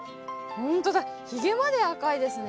ほんとだひげまで赤いですね。